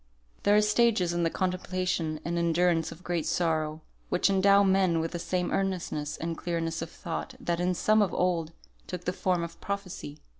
There are stages in the contemplation and endurance of great sorrow, which endow men with the same earnestness and clearness of thought that in some of old took the form of Prophecy.